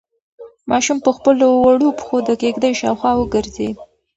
ماشوم په خپلو وړو پښو د کيږدۍ شاوخوا وګرځېد.